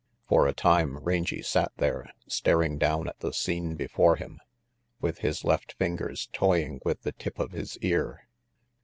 For a time Rangy sat there, staring down at the scene before him, with his left fingers toying with the tip of his ear.